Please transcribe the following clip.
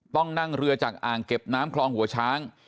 ต้องนั่งเรือจากอ่างเก็บน้ำคลองหัวช้าง